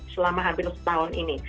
selama hampir setahun ini